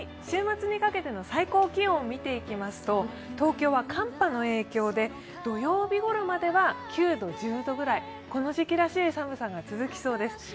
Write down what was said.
週末にかけての最高気温を見ていきますと東京は寒波の影響で土曜日ごろまでは９度、１０度ぐらいこの時期らしい寒さが続きそうです